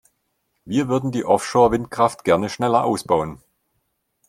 Wir würden die Offshore-Windkraft gerne schneller ausbauen.